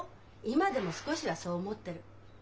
今でも少しはそう思ってる。